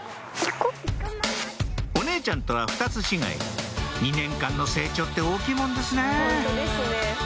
お姉ちゃんとは２つ違い２年間の成長って大きいもんですね